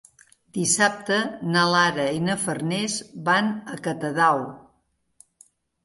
Dissabte na Lara i na Farners van a Catadau.